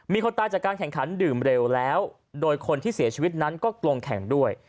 มีคนตายจากการแข่งขันดื่มเร็วแล้วโดยคนที่เสียชีวิตนั้นก็ลงแข่งด้วย